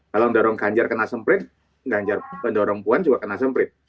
kalau mendorong ganjar kena semprit ganjar pendorong puan juga kena semprit